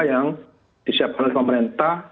yang disiapkan oleh pemerintah